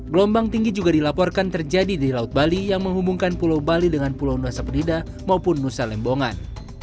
gelombang tinggi juga dilaporkan terjadi di laut bali yang menghubungkan pulau bali dengan pulau nusa penida maupun nusa lembongan